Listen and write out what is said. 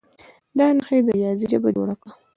دا نښې د ریاضي ژبه جوړه کړه.